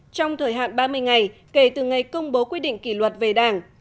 trong thời hạn ba mươi ngày kể từ ngày công bố quyết định kỷ luật về đảng